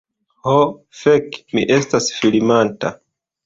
Ho, fek' mi estas filmanta...